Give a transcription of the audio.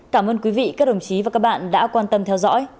cảm ơn quý vị các đồng chí và các bạn đã quan tâm theo dõi